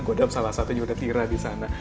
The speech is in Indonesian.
godam salah satu juga tira di sana